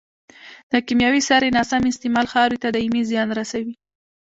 د کيمیاوي سرې ناسم استعمال خاورې ته دائمي زیان رسوي.